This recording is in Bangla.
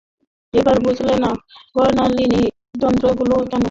এবার বুঝলে তো, বর্ণালিবীক্ষণ যন্ত্র এত গুরুত্বপূর্ণ কেন?